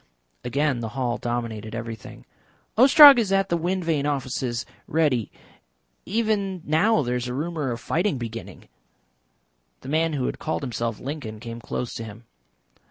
Again the hall dominated everything. "Ostrog is at the wind vane offices ready . Even now there is a rumour of fighting beginning." The man who had called himself Lincoln came close to him.